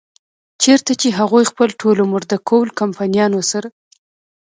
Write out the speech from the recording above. چرته چې هغوي خپل ټول عمر د کول کمپنيانو سره